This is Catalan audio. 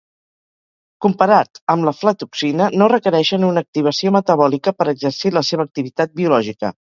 Comparats amb l’aflatoxina no requereixen una activació metabòlica per exercir la seva activitat biològica.